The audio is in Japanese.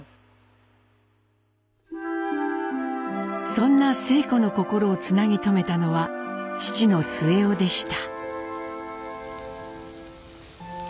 そんな晴子の心をつなぎ止めたのは父の末男でした。